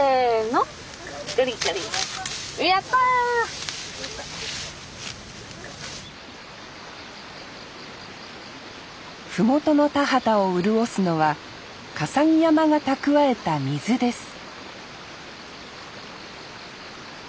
麓の田畑を潤すのは笠置山が蓄えた水です